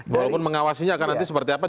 walaupun mengawasinya akan nanti seperti apa